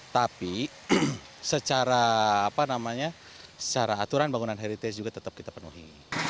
tapi secara aturan bangunan heritage juga tetap kita penuhi